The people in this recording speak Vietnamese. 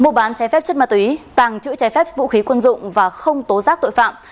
mua bán trái phép chất ma túy tàng chữ trái phép vũ khí quân dụng và không tố giác tội phạm